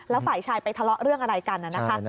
แล้วฝ่ายชายไปทะเลาะเรื่องอะไรกันนะคะ